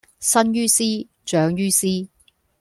生於斯，長於斯